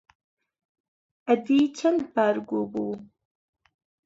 ئەدی چەند بار گوو بوو؟